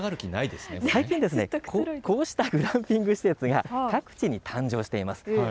最近、こうしたグランピング施設が各地に誕生しています。